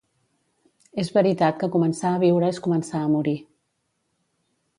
És veritat que començar a viure és començar a morir.